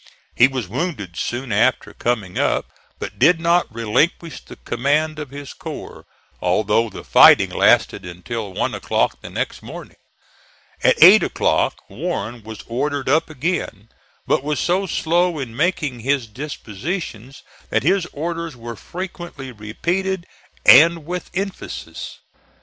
He was wounded soon after coming up but did not relinquish the command of his corps, although the fighting lasted until one o'clock the next morning. At eight o'clock Warren was ordered up again, but was so slow in making his dispositions that his orders were frequently repeated, and with emphasis.